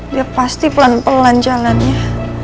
dia pasti pelan pelan jalannya